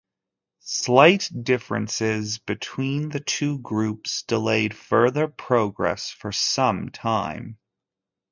Slight differences between the two groups delayed further progress for some time.